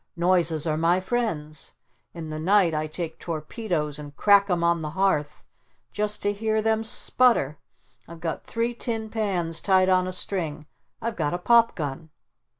Noises are my friends! In the night I take torpedoes and crack 'em on the hearth just to hear them sputter! I've got three tin pans tied on a string! I've got a pop gun!"